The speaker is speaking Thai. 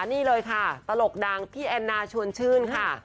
นี่เลยค่ะตลกดังพี่แอนนาชวนชื่นค่ะ